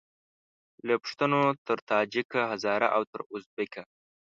له پښتونه تر تاجیکه هزاره او تر اوزبیکه